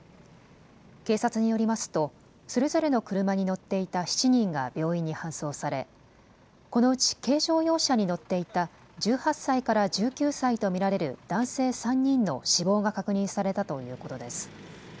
警察によりますとそれぞれの車に乗っていた７人が病院に搬送されこのうち軽乗用車に乗っていた１８歳から１９歳と見られる男性３人の死亡が確認されたということです。